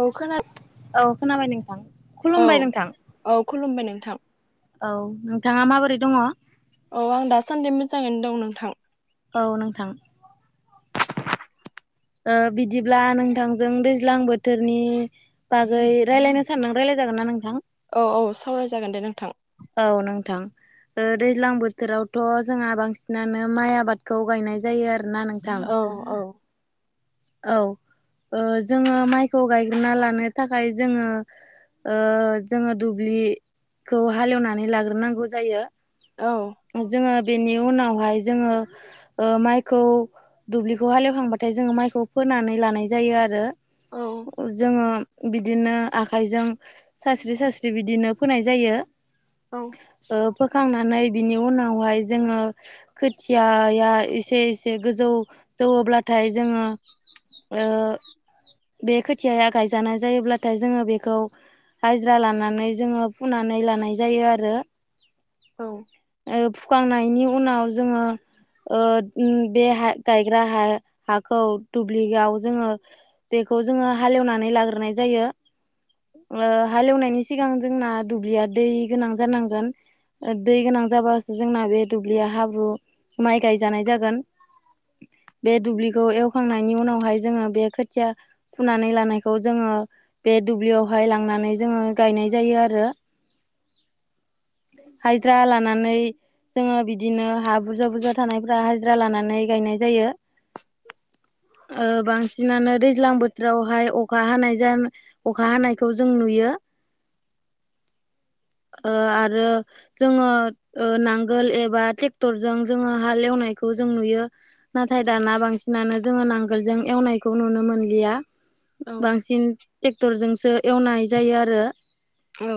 औ खोना औ खोनाबाय नोंथां औ खुलुमबाय नोंथां औ खुलुमबाय नोंथां औ नोंथाङा माबोरै दङ? अ आं दासान्दि मोजाङैनो दं नोंथां। औ नोंथां। बिदिब्ला नोंथांजों दैज्लां बोथोरनि बागै रायज्लायनो सानदों रायज्लाय जागोन ना नोंथां। औ - औ सावरायजागोन दे नोंथां। औ नोंथां। ओ दैज्लां बोथोरावथ' जोंहा बांसिनानो माइ आबादखौ गायनाय जायो आरो ना नोंथां। औ - औ। औ ओ जोङो माइखौ गायग्रोना लानो थाखाय जोङो ओ जोङो दुब्लिखौ हालेवनानै लाग्रोनांगौ जायो। औ। जोङो बेनि उनावहाय जोङो ओ माइखौ दुब्लिखौ हालेवखांबाथाय जोङो माइखौ फोनानै लानाय जायो आरो औ जोङो बिदिनो आखाइजों सास्रि सास्रि बिदिनो फोनाय जायो। औ। ओ फोखांनानै बिनि उनावहाय जोङो खोथियाया एसे एसे गोजौ जौवोब्लाथाय जोङो ओ बे खोथियाया गायजानाय जायोब्लाथाय जोङो बेखौ हाजिरा लानानै जोङो फुनानै लानाय जायो आरो। औ। फुखांनायनि उनाव जोङो ओ बे गायग्रा हाखौ दुब्लियाव जोङो बेखौ जोङो हालेवनानै लाग्रोनाय जायो। हालेवनायनि सिगां जोंना दुब्लिया दै गोनां जानांगोन। दै गोनां जाबासो जोंना बे दुब्लिया हाब्रु माइ गायजानाय जागोन। बे दुब्लिखौ एवखांनायनि उनावहाय जोङो बे खोथिया फुनानै लानायखौ जोङो बे दुब्लियावहाय लांनानै जोङो गायनाय जायो आरो। हाजिरा लानानै जोङो बिदिनो हा बुरजा - बुरजा थानायफ्रा हाजिरा लानानै गायनाय जायो। बांसिनानो दैज्लां बोथोरावहाय अखा हानाय जा अखा हानायखौ जों नुयो। ओ आरो जोङो ओ नांगोल एबा ट्रेक्टरजों जोङो हा एवनायखौ जों नुयो। नाथाय दाना बांसिनानो जोङो नांगोलजों एवनायखौ नुनो मोनलिया औ बांसिन ट्रेक्टरजोंसो एवनाय जायो आरो। औ।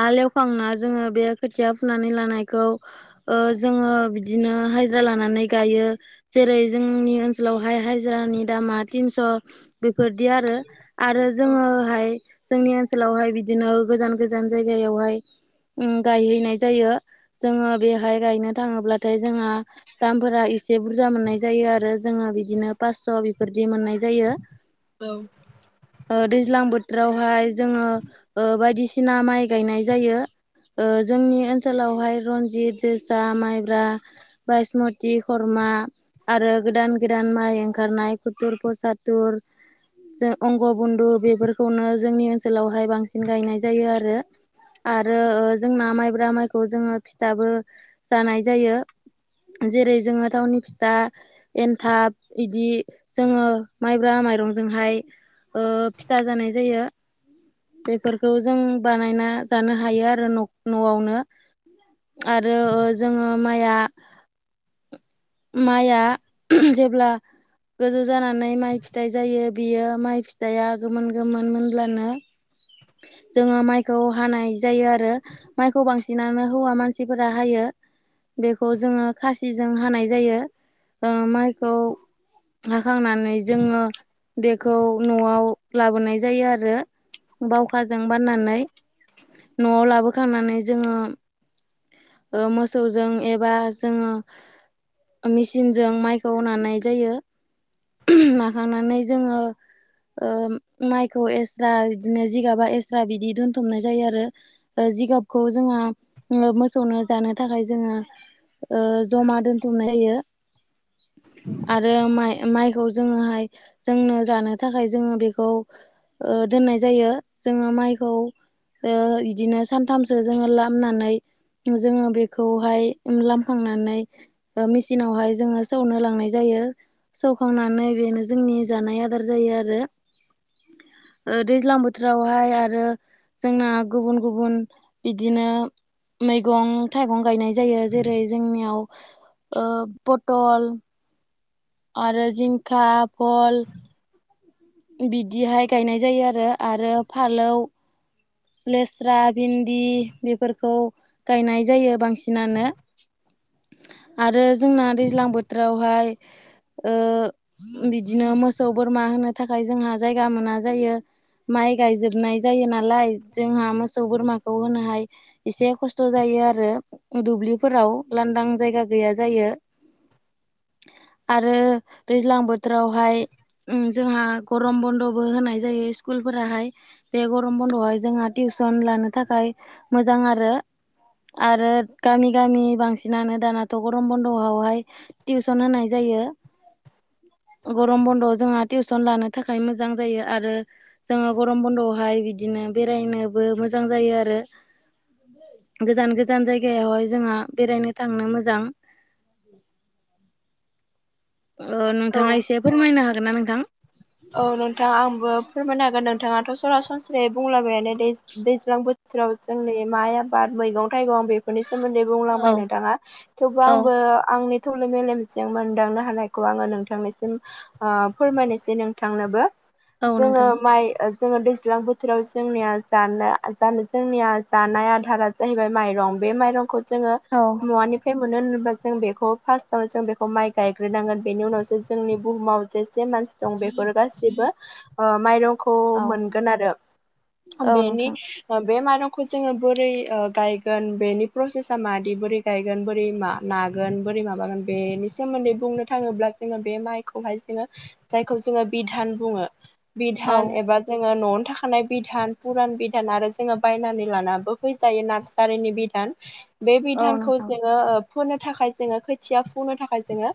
हल ऐवखांना जोङो बे खोथिया फुनानै लानायखौ ओ जोङो बिदिनो हाजिरा लानानै गायो। जेरै जोंनि ओनसोलावहाय हाजिरानि दामा तिनस'। बेफोरदि आरो आरो जोङोहाय जोंनि ओनसोलावहाय बिदिनो गोजान गोजान जायगायावहाय उम गायहैनाय जायो जोङो बेहाय गायनो थाङोब्लाथाय जोंहा दामफोरा एसे बुरजा मोननाय जायो आरो जोङो बिदिनो पासस' बेफोरदि मोननाय जायो। औ। दैज्लां बोथोरावहाय जोङो ओ बायदिसिना माइ गायनाय जायो। ओ जोंनि ओनसोलावहाय रनजित, जोसा, माइब्रा बास्मति, खर्मा आरो गोदान गोदान माइ ओंखारनाय कुतुर प्रसाद द' [unintelligible] जों बंग' बन्दु बेफोरखौनो जोंनि ओनसोलावहाय बांसिन गायनाय जायो आरो। आरो ओ जोंना माइब्रा माइखौ जोङो फिथाबो जानाय जायो जेरै जोङो थावनि फिथा एन्थाब इदि जोङो माइब्रा माइरंजोंहाय ओ फिथा जानाय जायो बेफोरखौ जों बानायना जानो हायो आरो नख न आवनो आरो जोङो माइआ माइया जेब्ला गोजौ जाना नै माइ फिथाइ जायो बियो माइ फिथाइया गोमोन गोमोन मोनब्लानो जोङो माइखौ हानाय जायो आरो। माइखौ बांसिनानो हौवा मानसिफोरा हायो। बेखौ जोङो खासिजों हानाय जायो ओ माइखौ हाखांनानै जोङो बेखौ न आव लाबोनाय जायो आरो। बावखाजों बाननानै न आव लाबोखांनानै जोङो ओ मोसौजों एबा जोङो मेसिनजों माइखौ नानाय जायो। नाखांनानै जोङो ओ माइखौ एस्रा बिदिनो जिगाबा एस्रा बिदि दोनथुमनाय जायो आरो। ओ जिगाबखौ जोंहा ओ मोसौनो जानो थाखाय जोङो ओ जमा दोनथुमनायो आरो माइ माइ खौ जोङोहाय जोंनो जानो थाखाय जोङो बेखौ ओ दोननाय जायो जोङो माइखौ ओ इदिनो सानथामसो जोङो लामनानै जोङो बेखौहाय लामखांनानै ओ मेसिनावहाय जोङो सौनो लांनाय जायो। सौनानै बेनो जोंनि जानाय आदार जायो आरो। ओ दैज्लां बोथोरावहाय आरो जोंना गुबुन गुबुन बिदिनो मैगं थाइगं गायनाय जायो जेरै जोंनियाव ओ पथल आरो जिंखा बल बिदिहाय गायनाय जायो आरो आरो फालौ लेस्रा भिन्दि बेफोरखौ गायनाय जायो बांसिनानो। आरो जोंना दैज्लां बोथोरावहाय ओ बिदिनो मोसौ बोरमा होनो थाखाय जोंहा जायगा मोना जायो। माइ गायजोबनाय जायो नालाय जोंहा मोसौ बोरमाखौ होनोहाय एसे खस्थ जायो आरो दुब्लिफोराव लांदां जायगा गैया जायो। आरो दैज्लां बोथोरावहाय उम जोंहा गरम बन्दबो होनाय जायो स्कुलफोराहाय बे गरम बन्द हाय जोंहा टिउसन लानो थाखाय मोजां आरो। आरो गामि गामि बांसिनानो दानाथ गरम बन्द आवहाय टिउसन होनाय जायो। गरम बन्द आव जोंहा टिउसन लानो थाखाय मोजां जायो आरो जोङो गरम बन्द आवहाय बिदिनो बेरायनोबो मोजां जायो आरो। गोजान गोजान जायगायावहाय जोंहा बेरायनो थांनो मोजां। ओ औ नोंथाङा एसे फोरमायनो हागोन ना नोंथां? औ नोंथां आंबो फोरमायनो हागोन नोंथाङाथ सरासनस्रायै बुंलाबायानो दै दैज्लां बोथ थोराव जोंनि माइ आबाद मैगं थाइगं बेफोरनि सोमोन्दै औ बुंलांबाय नोंथाङा थेवबो औ आंबो आंनि थौले मेलेम जों मोनदांनो हानायखौ आङो नोंथांनिसिम ओ फोरमायनोसै नोंथांनोबो। औ जोङो नोंथां माइ ओ जोङो दैज्लां बोथोराव जोंनिया जानो जानो जोंनिया जानाय आदारा जाहैबाय माइरं बे माइरंखौ जोङो औ मुवानि थाय मोनो होनोबा जों बेखौ फार्स्टआव जों बेखौ माइ गायग्रोनांगोन बेनि उनावसो जोंनि बुहुमाव जेसे मानसि दं बेफोर गासिबो ओ माइरंखौ औ मोनगोन आरो औ बेनि नोंथां बे माइरंखौ जोंङो बोरै ओ गायगोन बेनि प्रसेसा मादि बोरै गायगोन बोरै मा नागोन बोरै माबागोन बेनि सोमोन्दै बुंनो थांङोब्ला जोंङो बे माइखौहाय जोंङो जायखौ जोंङो बिधान बुंङो औ बिधान एबा जोंङो न'आवनो थाखानाय बिधान पुरान बिधान आरो जोंङो बायनानै लानाबो फैजायो नार्स जारिनि बिधान बे औ बिधानखौ नोंथां जोंङो ओ फोनो थाखाय जोंङो खोथिया फुंनो थाखाय जोंङो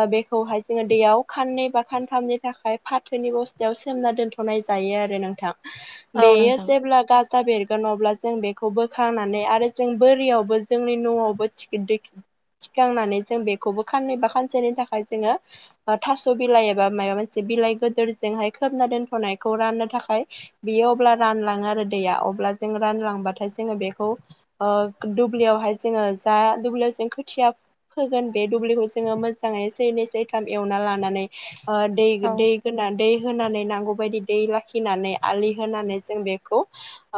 ओ बेखौहाय जोंङो दैयाव खाननै बा खानथामनि थाखाय फाथोनि बस्थायाव सोमना दोनथ'नाय जायो आरो नोंथां औ बेयो नोंथां जेब्ला गाज जा बेरगोन अब्ला जों बेखौ बोखांनानै आरो जों बोरियावबो जोंनि न'आवबो थिकिदै थिखांनानै जों बेखौबो खाननै बा खानसेनि थाखाय जोंङो ओ थास' बिलाइ एबा माबा मोनसे बिलाइ गिदोरजोंहाय खोबना दोनथ'नायखौ राननो थाखाय बियो अब्ला रानलांङो आरो दैया अब्ला जों रानलांबाथाय जोंङो बेखौ ओ दुब्लियावहाय जोंङो जा दुब्लियाव जों खोथिया फोगोन बे दुब्लिखौ जोंङो मोजांङै सैनै सैथाम एवना लानानै दै औ दै होना दै होनानै नांगौबायदि दै लाखिनानै आलि होनानै जों बेखौ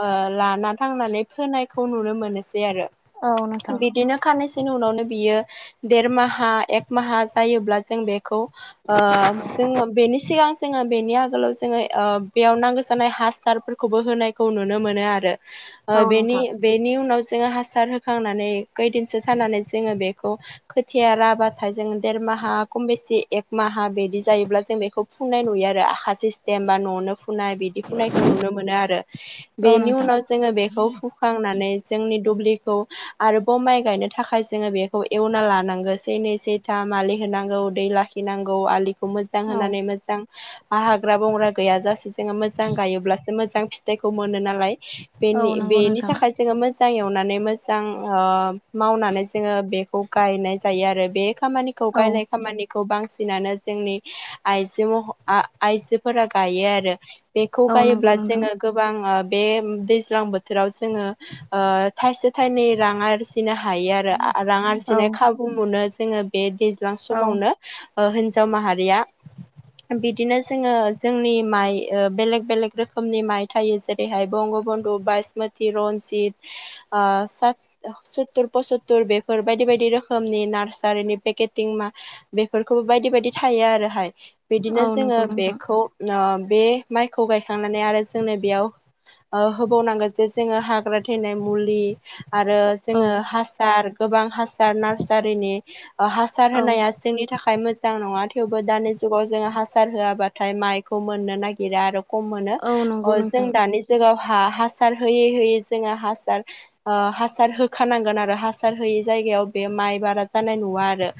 ओ लाना थांनानै फोनायखौ नुनो मोनोसै आरो औ नोंथां बिदिनो खाननैसोनि उनावनो बियो देरमाहा एक माहा जायोब्ला जों बेखौ ओ जोंङो बेनिस सिगां जोंङो बेनि आगोलाव जोंङो ओ बेयाव नांगौ जानाय हासारफोरखौबो होनाय खौ नुनो मोनो आरो ओ औ बेनि नोंथां बेनि उनाव जोंङो हासार होखांनानै खैदिनसो थानानै जोंङो बेखौ खोथिया राबाथाय जों देर माहा खम बेसे एक माहा बिदि जायोब्ला जों बेखौ फुनाय नुयो आरो आखा सिस्टेम बा न'आवनो फुनाय बिदि फुनायखौ नुनो मोनो आरो औ बेनि नोंथां उनाव जोंङो बेखौ फु खांनानै जोंनि दुब्लिखौ आरो बाव माइ गायनो थाखाय जोंङो बेखौ एवना लानांगौ सैनै सैथाम अलि होनांगौ दै लाखि गिनांगौ आलि खौ मोजां औ होनानै मोजां हाग्रा बंग्रा गैयाजसे जोंङो मोजां गायोब्लासो मोजां फिथ जायखौ मोनो नालाय औ बेनि नंगौ बेनि नोंथां थाखाय जोंङो मोज जाय एवनानै मोजां ओ मावनानै जोंङो बेखौ गायनाय जायो आरो बे खामानि खौ औ गायनाय खामानिखौ बांसिनानो जोंनि आइ जो मह आ-आइजोफोरा गायो आरो बेखौ औ नंगौ गायोब्ला नोंथां जोंङो गोबां ओ बे दैज्लां बोथोराव जोंङो ओ थाइसे थाइनै रां आर फिनो हायो आरो आ रां औ आरजिनाय खाबु मोनो जोंङो बे दैज्लां औ समावनो ओ हिन्जाव माहारिया बिदिनो जोंङो जोंनि माइ बेलेग बेलेग रोखोमनि माइ थायो। जेरैहाय बंगबन्धु, बासमति, रनजित ओ सुत्तुर पसत्तुर बेफोर बायदि बायदि रोखोमनि नार्सारिनि पेकेटिं मा बेफोरखौबो बायदि बायदि थायो आरोहाय औ बिदिनो जोंङो नंगौ नोंथां बेखौ नो बे माइखौ गायखांनानै आरो जोंनो बेयाव ओ होबावनांगोन जे जोंङो हाग्रा थैनाय मुलि आरो औ जोंङो हासार गोबां हासार नार्सारिनि ओ हासार औ होनाया जोंनि थाखाय मोजां नंङा थेवबो दानि जुगाव जोंङो हासार होआबाथाय माइखौ मोननो नागिरा आरो खम मोनो औ नंगौ ओ जों नोंथां दानि जुगाव हा हासार होयै होयै जोंङो हासार आ हासार होखानांगोन आरो हासार होयि जायगायाव बे माइ बारा जानाय नुवा आरो।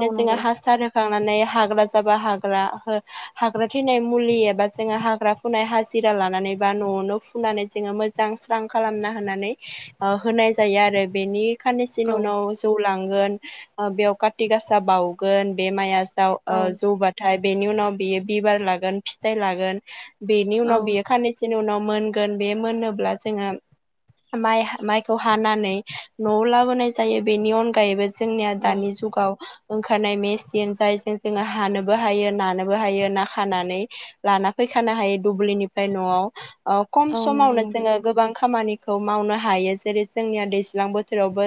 औ जोंङो नंगौ हासार होखांनानै हाग्रा जाबा हाग्रा हो हाग्रा थैनाय मुलि एबा जोङो हाग्रा फुनाय हाजिरा लानानै बा न'आवनो फुनानै जोङो मो जां स्स्रां खालामना होनानै होनाय जायो आरो बेनि औ खाननैसोनि उनाव जौलांगोन बेयाव कारति गासा बाउगोन बे माइआ औ जौबाथाय बेनि उनाव बेयो बिबार लागोन फिथाइ लागोन बेनि उनाव बेयो खाननैसोनि उनाव मोनगोन बे मोनोब्ला जोंहा माइ माइखौ हानानै न'आव लाबोनाय जायो बेनि अनगायैबो जोंनिया औ दानि जुगाव ओंखारनाय मेसिन जायजों जोङो हानोबो हायो नानोबो हायो नाखानानै लाना फैखानो हायो दुब्लिनिफ्राय न'आव। अ खम औ नंगौ समावनो नोंथां जोङो गोबां खामानिखौ मावनो हायो जेरै जोंनिया दैज्लां बोथोरावबो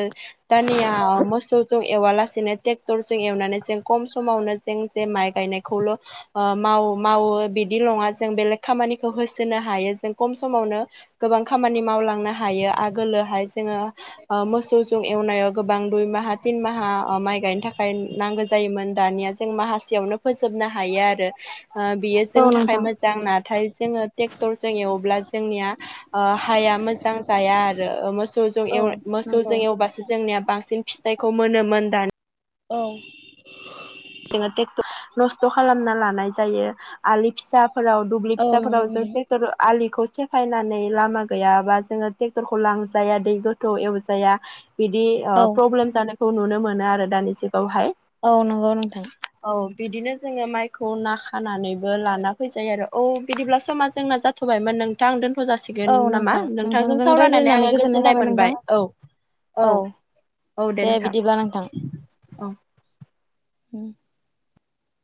दानिया मोसौजों एवा लासेनो ट्रेक्टरजों एवनानै जों खम समावनो जों जे माइ गायनायखौल' ओं माव-मावो बिदि नङा जों बेलेग खामानिखौ होसोनो हायो जों खम समावनो गोबां खामानि मावलांनो हायो आगोलोहाय जोङो ओं मोसौजों एवनायाव गोबां दुइ माहा तिनमाहा माइ गायनो थाखाय नांगौ जायोमोन दानिया जों माहासेयावनो फोजोबनो हायो आरो ओं बेयो औ जोंनि थाखाय नोंथां मो जां नाथाय जोङो ट्रेक्टरजों एवोब्ला जोंनिया ओ हाया मोजां जाया आरो मो सौ औ नंगौ मोसौजों एवबामो जोंनिया बांसिन फिथाइखौ मोनोमोन दानि औ जोङो ट्रेक्टर नस्थ' खालामना लानाय जायो आलि फिसाफोराव दुब्लि औ नंगौ फिसाफोराव नोंथां जायफोर ट्रेक्टर आलिखौ सेफायनानै लामा गैयाबा जोङो ट्रेक्टरखौ लांजाया दै गोथौ एवजाया बिदि ओं औ प्रब्लेम जानायखौ नुनो मोनो आरो दानि जुगावहाय औ नंगौ नोंथां। औ बिदिनो जोङो माइखौ ना खानानैबो लाना फैजायो आरो औ बिदिब्ला समा जोंना जा जाथ'बायमोन नोंथां दोनथ' औ जासिगोन नामा नोंथां नोंथांजों सावरायनानै रायज्लायनानै आङो गोजोननाय थाबाय नोंथां मोनबाय औ। औ औ दे नोंथां बिदिब्ला नोंथां। औ उम